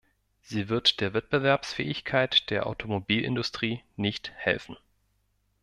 Sie wird der Wettbewerbsfähigkeit der Automobilindustrie nicht helfen.